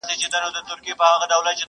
نه له درملو نه توري تښتې!